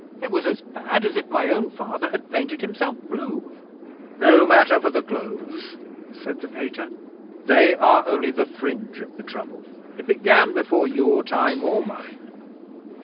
It was as bad as if my own Father had painted himself blue! '"No matter for the clothes," said the Pater. "They are only the fringe of the trouble. It began before your time or mine.